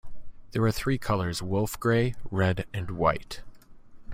There are three colours: wolf-grey, red and white.